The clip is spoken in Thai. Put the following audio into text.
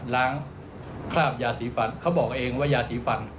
ล้างคราบยาสีฟันเขาบอกเองว่ายาสีฟัน